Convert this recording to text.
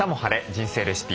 人生レシピ」